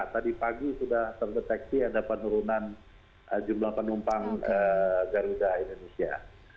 tadi pagi sudah terdeteksi ada penurunan jumlah penumpang garuda indonesia